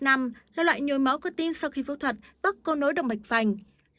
nhồi máu cơ tim tuyết năm là loại nhồi máu cơ tim sau khi phẫu thuật bắt cô nối động mạch vành